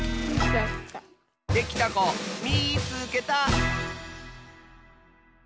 できたこみいつけた！